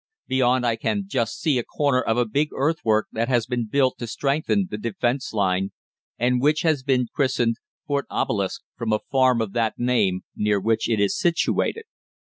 Beyond, I can just see a corner of a big earthwork that has been built to strengthen the defence line, and which has been christened Fort Obelisk from a farm of that name, near which it is situated.